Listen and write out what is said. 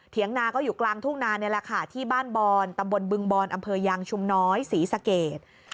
นาก็อยู่กลางทุ่งนานี่แหละค่ะที่บ้านบอนตำบลบึงบอนอำเภอยางชุมน้อยศรีสเกต